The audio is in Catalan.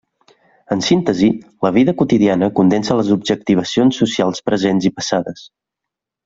En síntesi, la vida quotidiana condensa les objectivacions socials presents i passades.